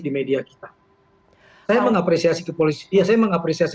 di media kita saya mengapresiasi